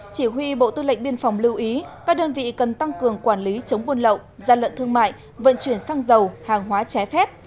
chỉ huy bộ tư lệnh biên phòng lưu ý các đơn vị cần tăng cường quản lý chống buôn lậu gian lận thương mại vận chuyển xăng dầu hàng hóa trái phép